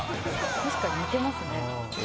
「確かに似てますね」